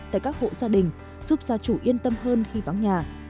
tại các hộ gia đình giúp gia chủ yên tâm hơn khi vắng nhà